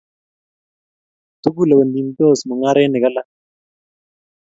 tukuliwensot mung'arenik alak